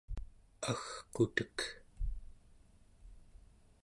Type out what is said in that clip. agqutek